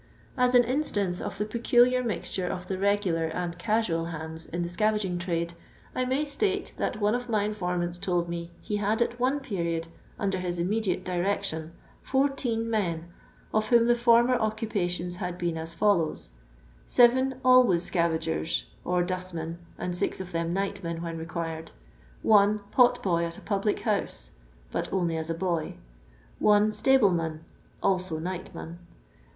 As an instance of the peculiar mixture of the regular and casual hands in the scavaging trade, I may state that one of my informants told me he had, at one period, under his immediate direction, fourteen men, of whom the former occupations had been aa follows :— 7 Alvrayi Scavagers (or dustmen, and six of them nightmen when required). 1 Pot boy at a public house (but only as a boy). 1 Stable man (also nightman).